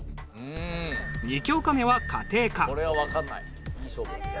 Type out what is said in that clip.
２教科目は家庭科。